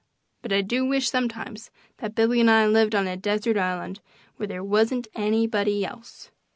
But I do wish sometimes that Billy and I lived on a desert island, where there wasn't anybody else.